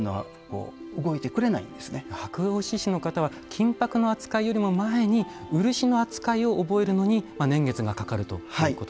箔押師の方は金箔の扱いよりも前に漆の扱いを覚えるのに年月がかかるということですか。